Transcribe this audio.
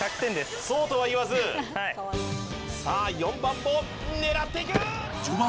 はいそうとは言わずさあ４番も狙っていく序盤